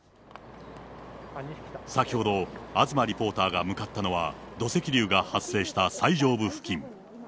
先ほど東リポーターが向かったのは土石流が発生した最上部付近。